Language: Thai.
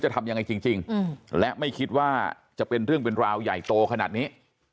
ทำยังไงจริงและไม่คิดว่าจะเป็นเรื่องเป็นราวใหญ่โตขนาดนี้